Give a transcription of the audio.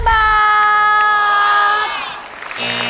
๖๕บาท